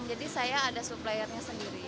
jadi saya ada suppliernya sendiri